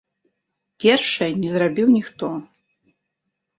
Першае не зрабіў ніхто.